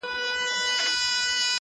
گیله من وو له اسمانه له عالمه!.